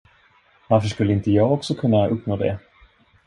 Varför skulle inte jag också kunna uppnå det?